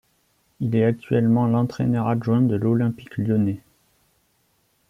Il est actuellement l'entraîneur adjoint de l'Olympique Lyonnais.